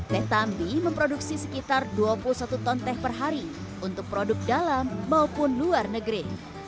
teh tambi memproduksi sekitar dua puluh satu ton teh per hari untuk produk dalam maupun luar negeri